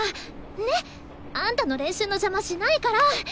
ねっ！あんたの練習の邪魔しないから！